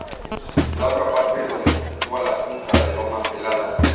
La otra parte es donde se sitúa la punta de Loma Pelada.